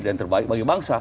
dan terbaik bagi bangsa